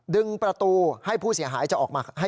ดึงประตูให้ผู้เสียหายจะออกมา